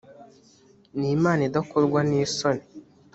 ni imana idakorwa n isoni